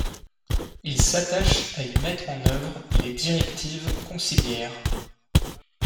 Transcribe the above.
Il s'attache à y mettre en œuvre les directives conciliaires.